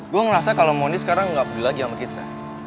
gue ngerasa kalo mondi gak peduli lagi sama kita